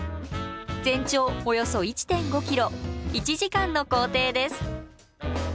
全長およそ１．５ｋｍ１時間の行程です。